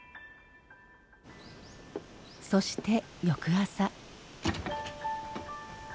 そして翌朝。